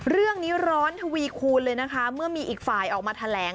เรื่องนี้ร้อนทวีคูณเลยนะคะเมื่อมีอีกฝ่ายออกมาแถลง